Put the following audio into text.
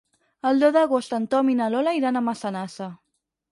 El deu d'agost en Tom i na Lola iran a Massanassa.